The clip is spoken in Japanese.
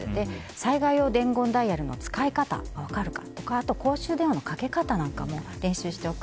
災害用伝言ダイヤルの使い方が分かるかとか公衆電話のかけ方なんかも練習しておく。